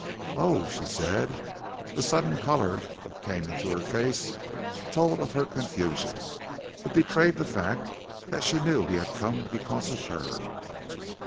"Oh!" she said. The sudden color that came into her face told of her confusion. It betrayed the fact that she knew he had come because of her.